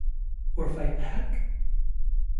Or fight back?